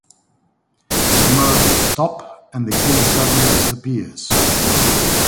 The murders stop and the killer suddenly disappears.